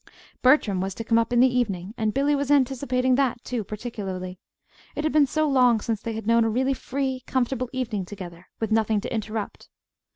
Bertram was to come up in the evening, and Billy was anticipating that, too, particularly: it had been so long since they had known a really free, comfortable evening together, with nothing to interrupt.